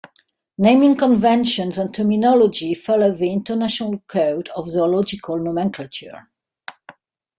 Naming conventions and terminology follow the International Code of Zoological Nomenclature.